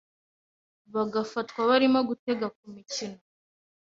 bagafatwa barimo gutega ku mikino.